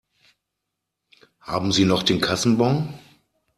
Haben Sie noch den Kassenbon?